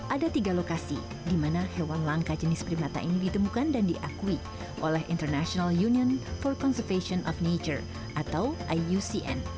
ada tiga lokasi di mana hewan langka jenis primata ini ditemukan dan diakui oleh international union for conservation of nature atau iucn